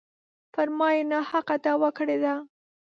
پر ما یې ناحقه دعوه کړې ده.